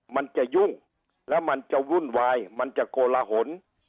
มันจะยุ่งแล้วมันจะวุ่นวายมันจะโกลหน